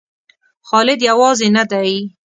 خالد یوازې نه دی.